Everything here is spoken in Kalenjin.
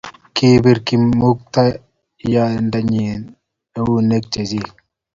Kigibirji Kimurtoiyot ounek che chik